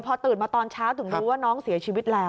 พอตื่นมาตอนเช้าถึงรู้ว่าน้องเสียชีวิตแล้ว